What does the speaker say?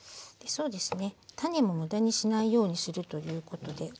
そうですね。